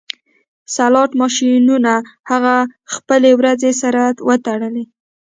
سلاټ ماشینونه هغه خپلې وروځې سره وتړلې